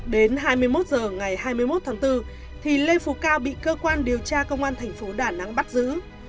đến hai mươi một h ngày hai mươi một tháng bốn thì lê phú cao bị cơ quan điều tra công an thành phố đà nẵng bắt giữ